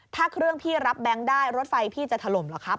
ถ้าเครื่องพี่รับแบงค์ได้รถไฟพี่จะถล่มเหรอครับ